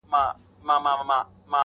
o يو وار نوک، بيا سوک.